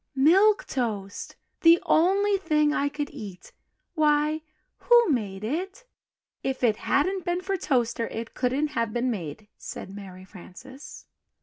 "Milk Toast! the only thing I could eat! why who made it?" "If it hadn't been for Toaster, it couldn't have been made," said Mary Frances.